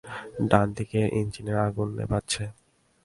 ডানদিকের ইঞ্জিনের আগুন নেভাচ্ছি।